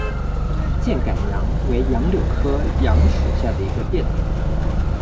箭杆杨为杨柳科杨属下的一个变种。